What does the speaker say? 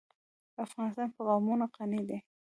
افغانستان په قومونه غني دی.